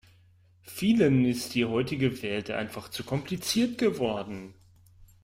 Vielen ist die heutige Welt einfach zu kompliziert geworden.